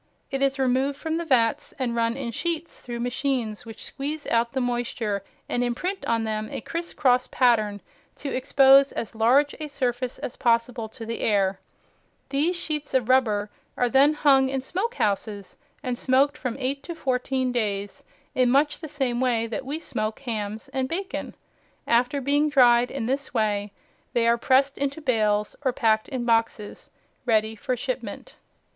It is removed from the vats and run in sheets through machines which squeeze out the moisture and imprint on them a criss cross pattern to expose as large a surface as possible to the air. See picture, page 12. These sheets of rubber are then hung in smoke houses and smoked from eight to fourteen days in much the same way that we smoke hams and bacon. After being dried in this way they are pressed into bales or packed in boxes ready for shipment.